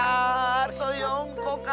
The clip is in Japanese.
あと４こか。